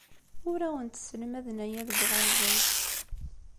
Ur awent-sselmaden aya deg uɣerbaz.